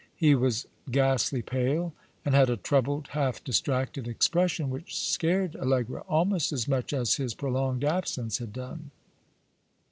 He was ghastly pale, and had a troubled, half distracted expression which scared Allegra almost as much as his prolonged absence had done.